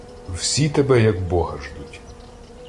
Всі тебе, як бога, ждуть.